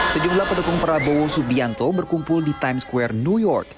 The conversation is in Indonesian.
sejumlah pendukung prabowo subianto berkumpul di times square new york